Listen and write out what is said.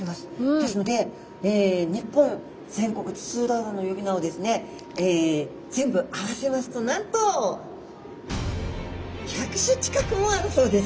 ですので日本全国津々浦々の呼び名をですね全部合わせますとなんと１００種近くもあるそうです。